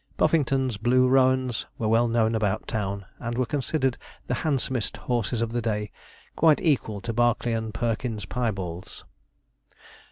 Puffington's blue roans were well known about town, and were considered the handsomest horses of the day; quite equal to Barclay and Perkin's piebalds.